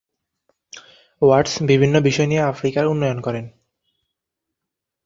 ওয়াটস বিভিন্ন বিষয় নিয়ে আফ্রিকার উন্নয়ন করেন।